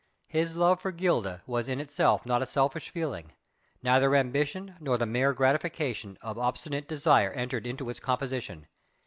His love for Gilda was in itself not a selfish feeling; neither ambition nor the mere gratification of obstinate desire entered in its composition.